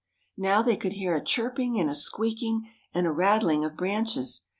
Now they could hear a chirping and a squeaking and a rattling of branches.